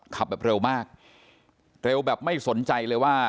ขับแบบเร็วมากเร็วแบบไม่สนใจเลยว่า